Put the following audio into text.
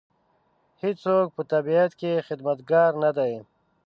هېڅوک په طبیعت کې خدمتګار نه دی.